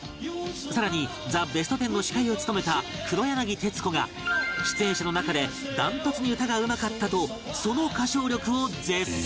さらに『ザ・ベストテン』の司会を務めた黒柳徹子が出演者の中でダントツに歌がうまかったとその歌唱力を絶賛